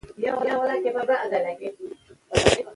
موږ په خپل تاریخي او کلتوري میراث ویاړ کوو.